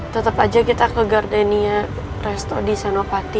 tetep aja kita ke gardenia resto di senopati